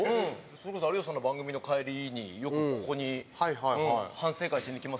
それこそ有吉さんの番組の帰りによくここに反省会をしに来ますよ。